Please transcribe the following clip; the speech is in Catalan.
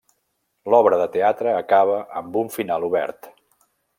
L’obra de teatre acaba amb un final obert.